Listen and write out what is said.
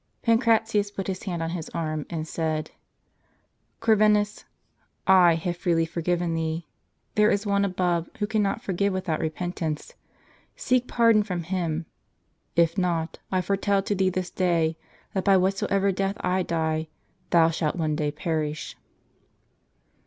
Pancratius put his hand on his arm, and said, "Corvinus, / have freely forgiven thee. There is One above, who cannot forgive without repentance. Seek pardon from Him. If not, I foretell to thee this day, that by whatsoever death I die, thou too shalt one day perish."